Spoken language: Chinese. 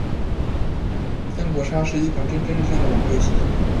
三国杀是一款蒸蒸日上的网络游戏。